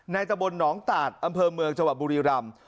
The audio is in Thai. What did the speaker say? ในตะบนหนองตาดอำเภอเมืองจวบบุรีรำ